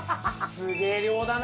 すげぇ量だな。